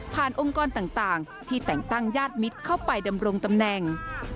องค์กรต่างที่แต่งตั้งญาติมิตรเข้าไปดำรงตำแหน่ง